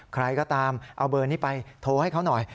ใครก็ตามเอาเบอร์นี้ไปโทรให้เขาหน่อย